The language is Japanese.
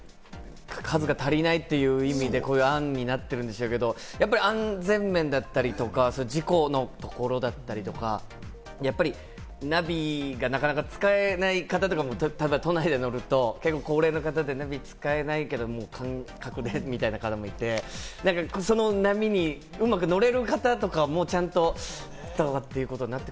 数が足りないという意味で、こういう案になってるんでしょうけれども、やっぱり安全面だったり、事故のところだったり、やっぱりナビがなかなか使えない方とかも、都内で乗ると高齢の方でナビ使えないからという方もいて、その波にうまく乗れる方とか、ちゃんといるかなということにな